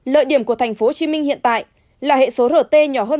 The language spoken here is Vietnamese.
lợi điểm của tp hcm hiện tại là hệ số rt nhỏ hơn một năm